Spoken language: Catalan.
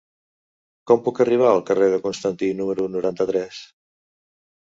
Com puc arribar al carrer de Constantí número noranta-tres?